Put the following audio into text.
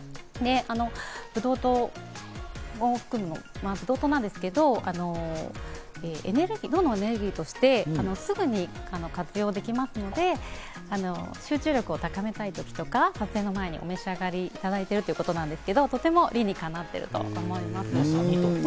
ブドウ糖なんですけど、脳のエネルギーとしてすぐに活用できますので、集中力を高めたいときとか撮影の前にお召し上がりいただいてるということですが理にかなっていると思います。